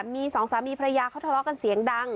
มีสองสามีภรรยาเขาทะเลาะกันเสียงดัง